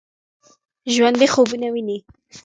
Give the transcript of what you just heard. ژوندي خوبونه ويني